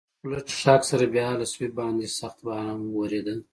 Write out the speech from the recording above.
تاسې خو له لږ څښاک سره بې حاله شوي، باندې سخت باران ورېده.